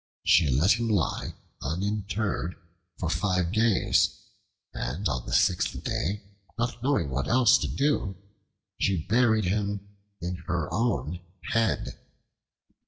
She let him lie uninterred for five days, and on the sixth day, not knowing what else to do, she buried him in her own head.